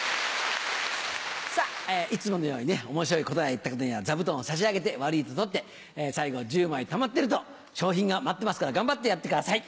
さぁいつものようにね面白い答えを言った方には座布団を差し上げて悪いと取って最後１０枚たまってると賞品が待ってますから頑張ってやってください！